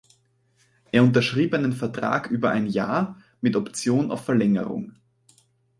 Er unterschrieb einen Vertrag über ein Jahr mit Option auf Verlängerung.